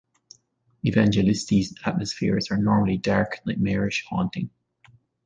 Evangelisti's atmospheres are normally dark, nightmarish, haunting.